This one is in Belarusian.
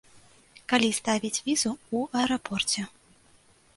Калі ставіць візу ў аэрапорце.